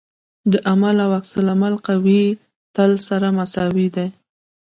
د عمل او عکس العمل قوې تل سره مساوي دي.